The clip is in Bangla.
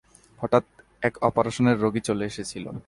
হঠাৎ এক অপারেশনের রোগী চলে এসেছিল।